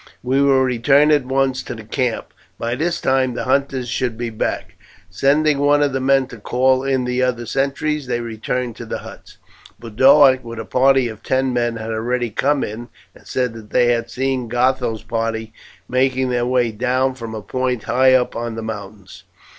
We will return at once to the camp. By this time the hunters should be back." Sending one of the men to call in the other sentries, they returned to the huts. Boduoc, with a party of ten men, had already come in, and said that they had seen Gatho's party making their way down from a point high up in the mountains.